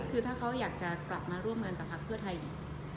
คือถ้าเขาอยากจะกลับมาร่วมงานกับพักเพื่อไทยดี